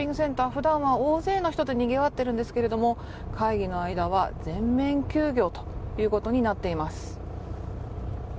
普段は大勢の人でにぎわっていますが会議の間は全面休業ということになっています。